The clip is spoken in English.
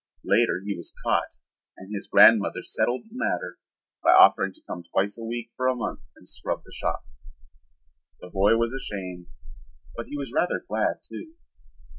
Later he was caught and his grandmother settled the matter by offering to come twice a week for a month and scrub the shop. The boy was ashamed, but he was rather glad, too.